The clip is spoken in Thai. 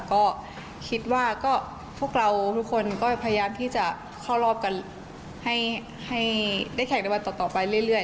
ก็คิดว่าก็พวกเราทุกคนก็พยายามที่จะเข้ารอบกันให้ได้แข่งในวันต่อไปเรื่อย